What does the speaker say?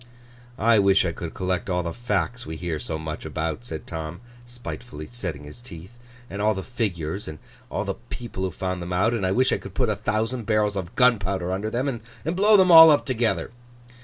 'I wish I could collect all the Facts we hear so much about,' said Tom, spitefully setting his teeth, 'and all the Figures, and all the people who found them out: and I wish I could put a thousand barrels of gunpowder under them, and blow them all up together!